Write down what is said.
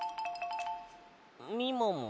みもも？